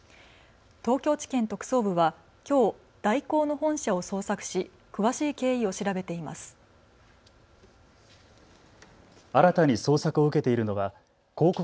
東京地検特捜部はきょう大広の本社を捜索し詳しい経緯を調べています。